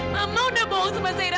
mama udah bohong sama zaira